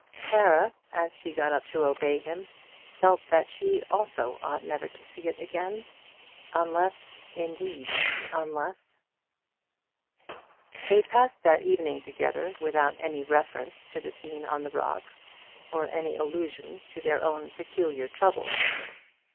Clara, as she got up to obey him, felt that she also ought never to see it again; unless, indeed, unless They passed that evening together without any reference to the scene on the rock, or any allusion to their own peculiar troubles.